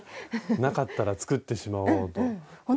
なかったら作ってしまおうと。